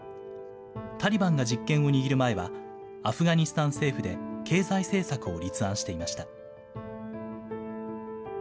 タリバンが実権を握る前は、アフガニスタン政府で経済政策を立案していました。